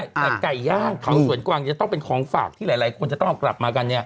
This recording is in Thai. แต่ไก่ย่างเขาสวนกวางจะต้องเป็นของฝากที่หลายคนจะต้องเอากลับมากันเนี่ย